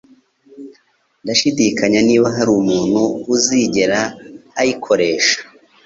ndashidikanya niba hari umuntu uzigera ayikoresha.